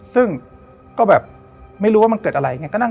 ซึ่งก็แบบไม่รู้ว่ามันเกิดอะไรอย่างนี้